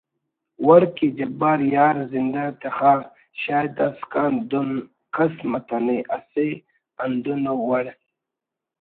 وڑ کہ جبار یار زندہ تخا شاید داسکان دن کَس متنے اسہ ہندن ءُ وڑ